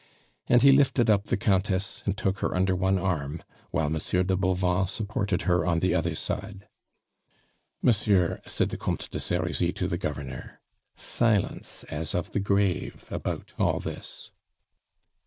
And he lifted up the Countess, and took her under one arm, while Monsieur de Bauvan supported her on the other side. "Monsieur," said the Comte de Serizy to the Governor, "silence as of the grave about all this."